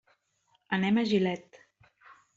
Anem a Gilet.